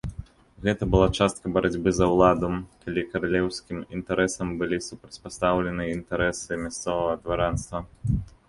Гэта была частка барацьбы за ўладу, калі каралеўскім інтарэсам былі супрацьпастаўлены інтарэсы мясцовага дваранства.